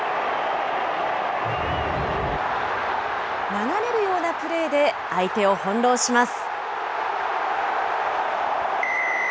流れるようなプレーで、相手を翻弄します。